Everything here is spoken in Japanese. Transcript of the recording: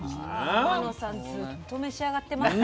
天野さんずっと召し上がってます。